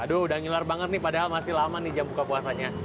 aduh udah ngilar banget nih padahal masih lama nih jam buka puasanya